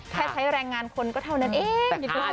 แค่ใช้แรงงานคนก็เท่านั้นเอง